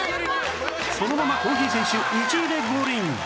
そのままコーヒー選手１位でゴールイン